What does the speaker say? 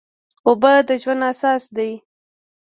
اوبه د ژوند اساس دي.